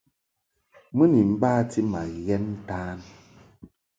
Mɨ ni bati ma ghɛn ntan.